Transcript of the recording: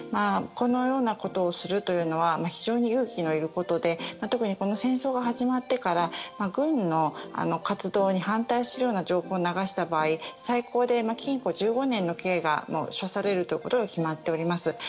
このようなことをするというのは非常に勇気のいることで特に戦争が始まってから軍の活動に反対するような情報を流した場合最高で禁錮１５年の刑が処されることが決まっております。